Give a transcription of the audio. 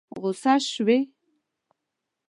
غوسه شوې؟